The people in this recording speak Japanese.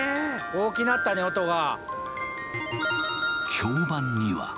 大きなったね音が。